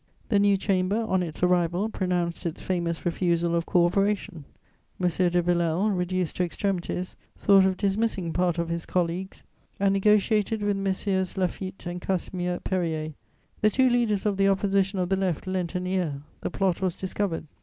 The new Chamber, on its arrival, pronounced its famous refusal of co operation. M. de Villèle, reduced to extremities, thought of dismissing part of his colleagues and negociated with Messieurs Laffitte and Casimir Périer. The two leaders of the Opposition of the Left lent an ear; the plot was discovered; M.